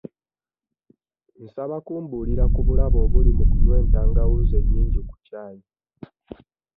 Nsaba kumbuulira ku bulabe obuli mu kunywa entangawuuzi ennyingi ku ccaayi.